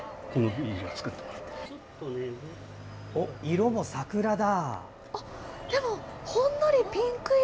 色も桜だ！